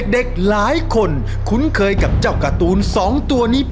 หลายคนคุ้นเคยกับเจ้าการ์ตูน๒ตัวนี้